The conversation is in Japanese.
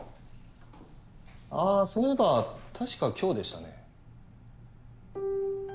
あそういえば確か今日でしたね。